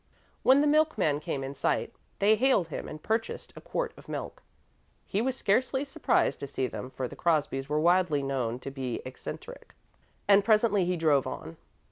When the milkman came in sight, they hailed him and purchased a quart of milk. He was scarcely surprised to see them, for the Crosbys were widely known to be eccentric, and presently he drove on.